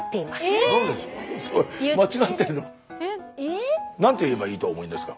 えぇ？何て言えばいいとお思いですか？